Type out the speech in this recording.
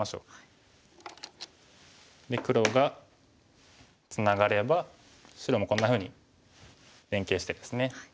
で黒がツナがれば白もこんなふうに連係してですね。